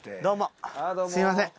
どうも。